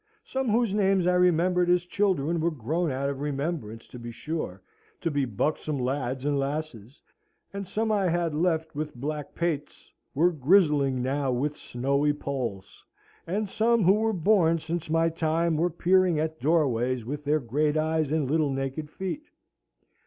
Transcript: Some whose names I remembered as children were grown out of remembrance, to be sure, to be buxom lads and lasses; and some I had left with black pates were grizzling now with snowy polls: and some who were born since my time were peering at doorways with their great eyes and little naked feet.